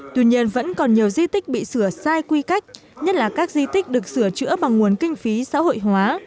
tuy nhiên vẫn còn nhiều di tích bị sửa sai quy cách nhất là các di tích được sửa chữa bằng nguồn kinh phí xã hội hóa